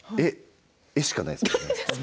絵しかないですよね。